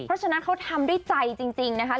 เพราะฉะนั้นเขาทำด้วยใจจริงนะคะ